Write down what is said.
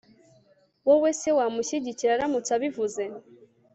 °wowe se wamushyigikira aramutse abivuze